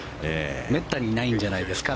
めったにないんじゃないんですか。